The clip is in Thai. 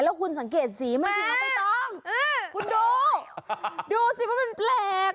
แล้วคุณสังเกตสีไหมสิน้องใบตองคุณดูดูสิว่ามันแปลก